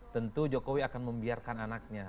tentu jokowi akan membiarkan anaknya